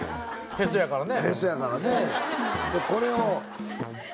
へそやからね。